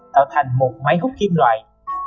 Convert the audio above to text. tạo thành một máy hút kim loại